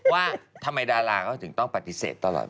ว่าทำไมดาราเขาถึงต้องปฏิเสธตลอด